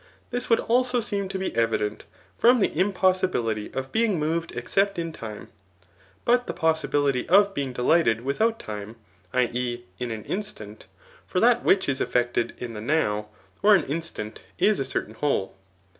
This would also seem to be evident, from the impose sibility of being moved except in time, but the possibility of being delighted without rime, [i. e. in an instant ;] for that which is effected in the nou\ or an instant, is a certain whole.